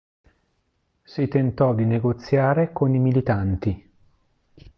Si tentò di negoziare con i militanti.